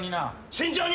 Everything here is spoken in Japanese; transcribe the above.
慎重に！